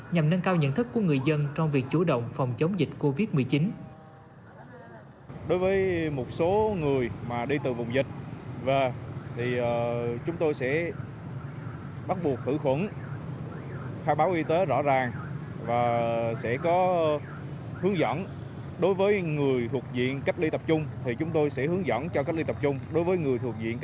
nhằm nâng cao nhận thức của người dân trong việc chú động phòng chống dịch covid một mươi chín